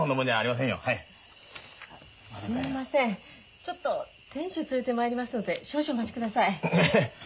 ちょっと店主連れてまいりますので少々お待ちください。